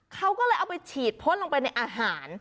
เขาก็เลยเอาไปฉีดพ่นลงไปในอาหาร